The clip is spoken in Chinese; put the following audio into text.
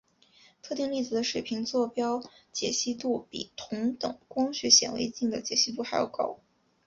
特定粒子的水平座标解析度比同等光学显微镜的解析度还要高。